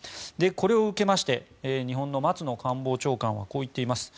これを受けまして日本の松野官房長官はこう言っています。